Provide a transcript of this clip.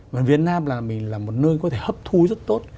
và việt nam là một nơi có thể hấp thú rất tốt